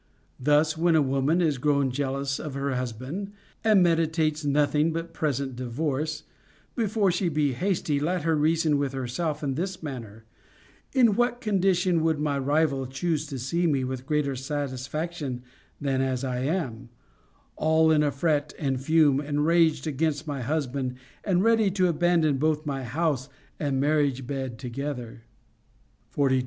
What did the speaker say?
Thus, when a woman is grown jealous of her husband and meditates nothing but present divorce, before she be too hasty, let her reason with herself in this manner : In what condition would my rival choose to see me with greater satisfaction than as I am, all in a fret and fume, enraged against my husband, and ready to abandon both my house and marriage bed together \ 42.